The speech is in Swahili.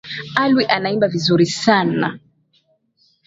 Alwi anaimba vizuri sana.